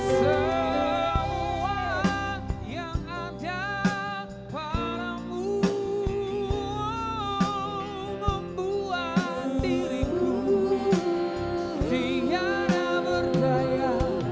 semua yang ada padamu membuat diriku tiada berdaya